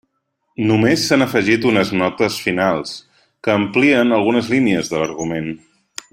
Només s'han afegit unes notes finals, que amplien algunes línies de l'argument.